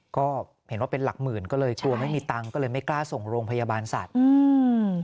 ก็เห็นว่าเป็นหลักหมื่นก็เลยกลัวไม่มีตังค์ก็เลยไม่กล้าส่งโรงพยาบาลสัตว์อืม